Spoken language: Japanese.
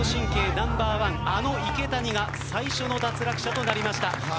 ナンバーワンあの池谷が最初の脱落者となりました。